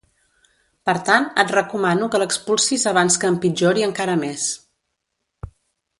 Per tant, et recomano que l'expulsis abans que empitjori encara més.